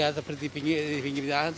ya seperti pinggir jalan